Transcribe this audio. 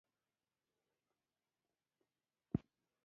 احمدشاه بابا د خلکو باور درلود.